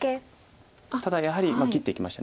ただやはり切っていきました。